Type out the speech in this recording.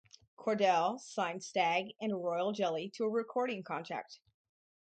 Cordell signed Stag and Royal Jelly to a recording contract.